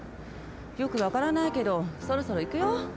よくわからないけどそろそろいくよ。